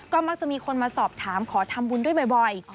ก็มักจะมีคนมาสอบถามขอทำบุญด้วยบ่อย